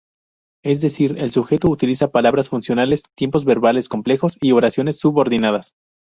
Es decir, el sujeto utiliza palabras funcionales, tiempos verbales complejos y oraciones subordinadas.